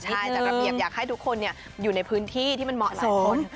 ใช่จัดระเบียบอยากให้ทุกคนอยู่ในพื้นที่ที่มันเหมาะสม